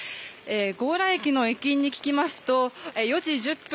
強羅駅の駅員に聞きますと４時１０分